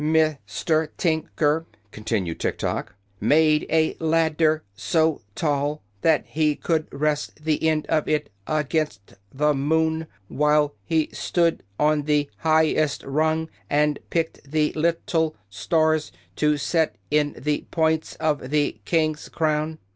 "Mis ter Tin ker," continued Tiktok, "made a lad der so tall that he could rest the end of it a gainst the moon, while he stood on the high est rung and picked the lit tle stars to set in the points of the king's crown.